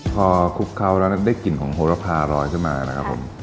พอคลุกเคล้าแล้วนะได้กลิ่นของโฮลภาร้อยใช่ไหมนะครับผม